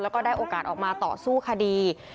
แล้วก็ได้โอกาสออกมาต่อสู้คดี